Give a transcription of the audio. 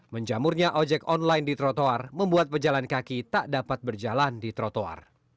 menjamurnya ojek online di trotoar membuat pejalan kaki tak dapat berjalan di trotoar